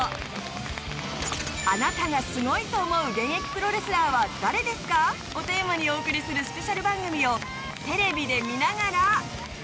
あなたがすごいと思う現役プロレスラーは誰ですか？をテーマにお送りするスペシャル番組をテレビで見ながら。